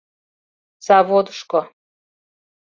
заводышко